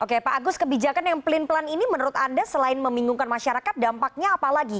oke pak agus kebijakan yang pelin pelan ini menurut anda selain membingungkan masyarakat dampaknya apa lagi